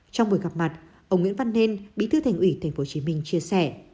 trong buổi gặp mặt ông nguyễn văn nên bí thư thành ủy tp hcm chia sẻ